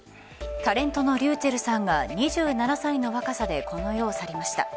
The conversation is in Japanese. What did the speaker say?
タレントのｒｙｕｃｈｅｌｌさんが２７歳の若さでこの世を去りました。